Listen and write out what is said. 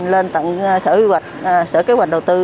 lên tận sở kế hoạch đầu tư